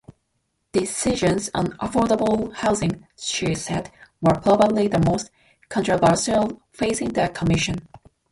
Decisions on affordable housing, she said, were probably the most controversial facing the commission.